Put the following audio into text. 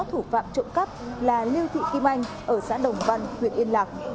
thủ phạm trộm cắp là lưu thị kim anh ở xã đồng văn huyện yên lạc